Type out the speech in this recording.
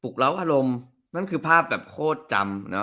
เล้าอารมณ์นั่นคือภาพแบบโคตรจำเนอ